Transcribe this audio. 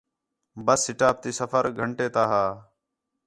بس سٹاپ تا سفر گھنٹے تا ہا